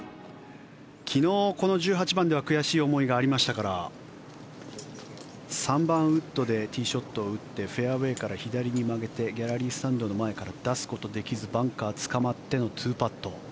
昨日この１８番では悔しい思いがありましたから３番ウッドでティーショットを打ってフェアウェーから左に曲げてギャラリースタンドの前から出すことができずバンカーにつかまっての２パット。